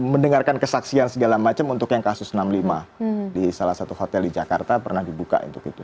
mendengarkan kesaksian segala macam untuk yang kasus enam puluh lima di salah satu hotel di jakarta pernah dibuka untuk itu